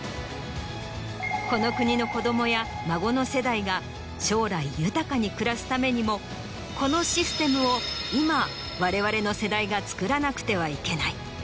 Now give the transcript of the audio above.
この国の子どもや孫の世代が将来豊かに暮らすためにもこのシステムを今われわれの世代が作らなくてはいけない。